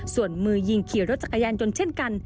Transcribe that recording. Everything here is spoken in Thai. ส่วนมือยิงขี่รถจักรยานยนต์เช่นกัน